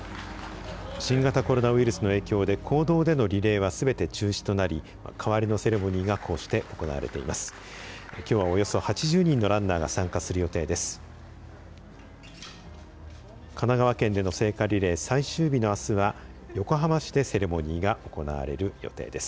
新型コロナウイルスの影響で公道でのリレーはすべて中止となり代わりのセレモニーがこうして行われています。